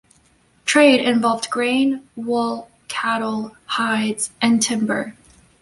Trade involved grain, wool, cattle, hides, and timber.